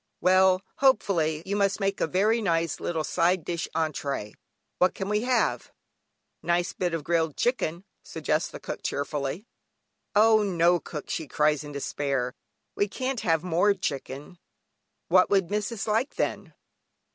"Well," hopefully, "you must make a very nice little side dish (entrée), what can we have?" "Nice bit of grilled chicken," suggests cook cheerfully. "Oh no cook," she cries in despair, "we can't have more chicken." "What would missis like then?"